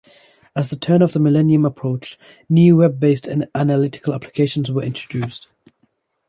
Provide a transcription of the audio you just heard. As the turn of the millennium approached, new Web-based analytical applications were introduced.